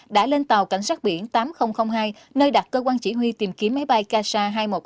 đã lên tàu cảnh sát biển tám nghìn hai nơi đặt cơ quan chỉ huy tìm kiếm máy bay kasa hai trăm một mươi tám